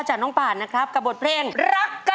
ใจรองได้ช่วยกันรองด้วยนะคะ